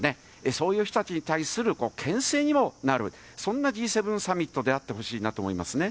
そういう人たちに対するけん制にもなる、そんなＧ７サミットであってほしいなと思いますね。